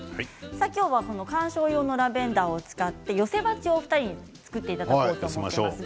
今日は観賞用のラベンダーを使って寄せ鉢をお二人に作っていただきます。